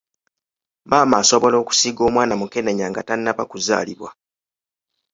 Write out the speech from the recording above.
Maama asobola okusiiga omwana mukenenya nga tannaba kuzaalibwa.